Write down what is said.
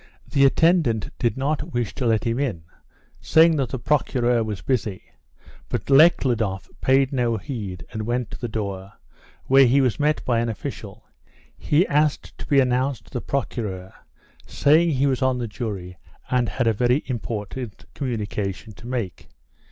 The attendant did not wish to let him in, saying that the Procureur was busy, but Nekhludoff paid no heed and went to the door, where he was met by an official. He asked to be announced to the Procureur, saying he was on the jury and had a very important communication to make.